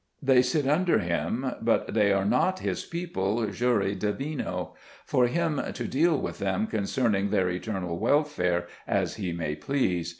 They sit under him, but they are not his people jure divino, for him to deal with them concerning their eternal welfare as he may please.